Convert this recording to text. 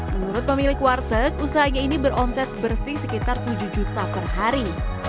menurut pemilik warteg usahanya ini beromset bersih sekitar tujuh juta per hari